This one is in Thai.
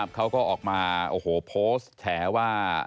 เขาก็ออกมาโพสต์แถวว่า